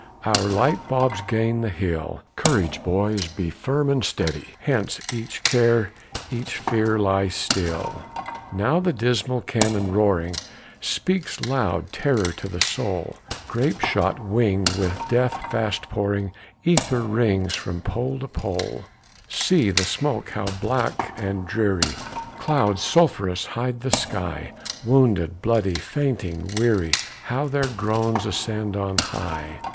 our light bobs gain the hill; Courage, boys, be firm and steady, Hence each care, each fear lie still. Now the dismal cannon roaring Speaks loud terror to the soul, Grape shot wing'd with death fast pouring, Ether rings from pole to pole; See, the smoke, how black and dreary, Clouds sulphureous hide the sky, Wounded, bloody, fainting, weary, How their groans ascend on high!